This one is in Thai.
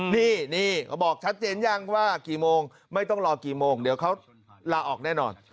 นี่เขาบอกชัดเจนยังว่ากี่โมงไม่ต้องรอกี่โมงเดี๋ยวเขาลาออกแน่นอน